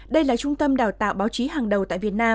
đây là trung tâm đào tạo báo chí hàng đầu tại việt nam